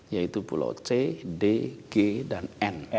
yaitu pulau c d g dan n